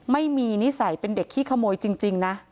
นิสัยเป็นเด็กขี้ขโมยจริงนะ